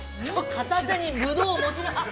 ◆片手にブドウを持ちながら。